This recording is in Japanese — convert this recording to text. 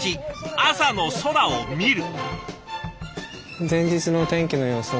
朝の空を見る。